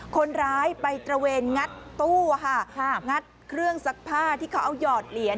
คนร้ายไปตระเวนงัดตู้งัดเครื่องซักผ้าที่เขาเอาหยอดเหรียญ